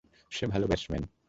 সে ভালো ব্যাটসম্যান।